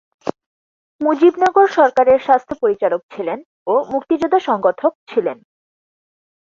মুজিবনগর সরকারের স্বাস্থ্য পরিচালক ছিলেন ও মুক্তিযোদ্ধা সংগঠক ছিলেন।